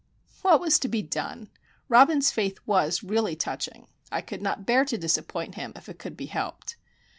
What was to be done? Robin's faith was really touching. I could not bear to disappoint him, if it could be helped.